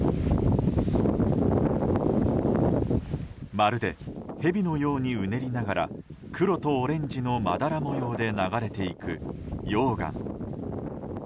まるでヘビのようにうねりながら黒とオレンジのまだら模様で流れていく溶岩。